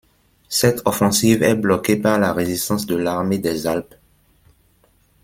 Cette offensive est bloquée par la résistance de l'armée des Alpes.